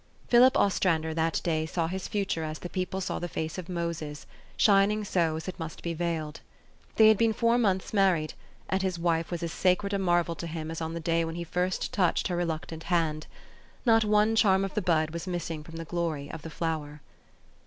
. Philip Ostrander that day saw his future as the people saw the face of Moses, shining so as it must be veiled. They had been four months married, and his wife was as sacred a marvel to him as on the day when he first touched her reluctant hand. Not one charm of the bud was missing from the glory of the flower.